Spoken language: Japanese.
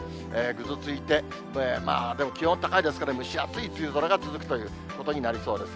ぐずついて、でも気温高いですから、蒸し暑い梅雨空が続くということになりそうです。